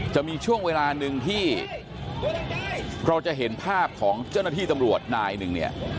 จะมีช่วงเวลาหนึ่งที่เราจะเห็นภาพของเจ้าหน้าที่ตำรวจนายหนึ่งเนี่ย